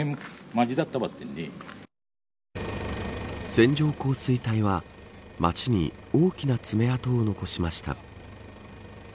線状降水帯は町に大きな爪痕を残しました。